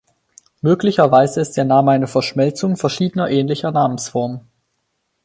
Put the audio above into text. Möglicherweise ist der Name eine Verschmelzung verschiedener ähnlicher Namensformen.